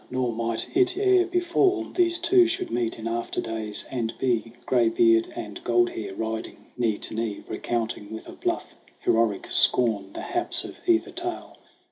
Nor might it ere befall These two should meet in after days and be Graybeard and Goldhair riding knee to knee, Recounting with a bluff, heroic scorn The haps of either tale.